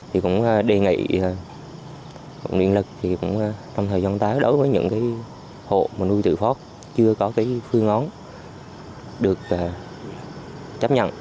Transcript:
thì cũng đề nghị cũng liên lực thì cũng trong thời gian tới đối với những hộ nuôi tự phót chưa có phương án được chấp nhận